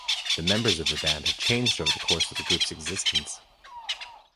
The members of the band have changed over the course of the group's existence.